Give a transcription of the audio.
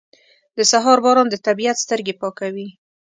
• د سهار باران د طبیعت سترګې پاکوي.